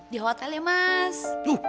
di hotel ya mas